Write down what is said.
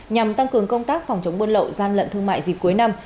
nhằm tăng cường công tác phòng chống buôn lậu gian lận thương mại dịp cuối năm